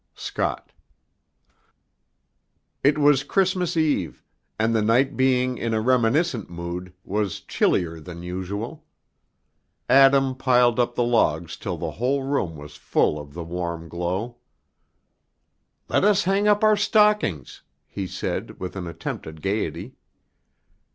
SCOTT. It was Christmas Eve, and the night being in a reminiscent mood, was chillier than usual. Adam piled up the logs till the whole room was full of the warm glow. "Let us hang up our stockings," he said, with an attempt at gayety.